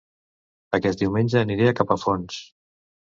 Aquest diumenge aniré a Capafonts